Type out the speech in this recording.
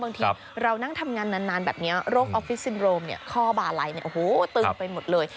บางทีเรานั่งทำงานนานแบบนี้โรคออฟฟิซินโรมข้อบาลัยตึงไปหมดเลย